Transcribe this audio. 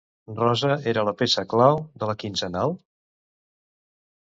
Rosa era la peça clau de la quinzenal?